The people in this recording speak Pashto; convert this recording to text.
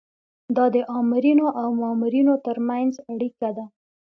دا د آمرینو او مامورینو ترمنځ اړیکه ده.